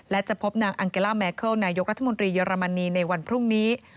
และจะพบนางอังเกล่าแมเคิลนายกรัฐมนตรีเยอรมนีในวันพรุ่งนี้